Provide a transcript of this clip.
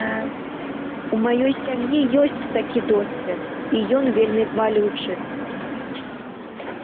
У маёй сям'і ёсць такі досвед, і ён вельмі балючы.